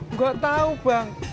nggak tahu bang